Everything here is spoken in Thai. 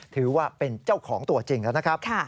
ถือว่าเป็นเจ้าของตัวจริงแล้วนะครับ